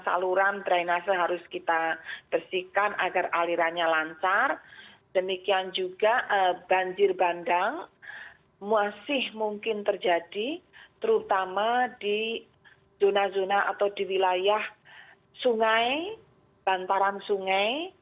saluran drainase harus kita bersihkan agar alirannya lancar demikian juga banjir bandang masih mungkin terjadi terutama di zona zona atau di wilayah sungai bantaran sungai